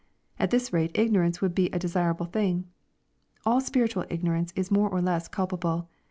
At this rate ignorance would be a desirable thing. All spiritual ignorance is more or less culpable.